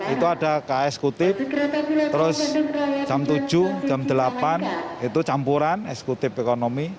itu ada ka eskutip terus jam tujuh jam delapan itu campuran eskutip ekonomi